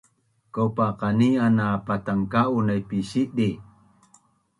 Kopa qani’an na patanka’un naip pi sidi